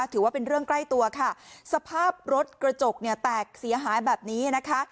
ถือว่าเป็นเรื่องใกล้ตัวค่ะสภาพรถกระจกเนี่ยแตกเสียหายแบบนี้นะคะ